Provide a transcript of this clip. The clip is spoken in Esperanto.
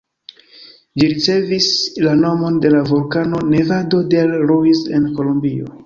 Ĝi ricevis la nomon de la vulkano Nevado del Ruiz en Kolombio.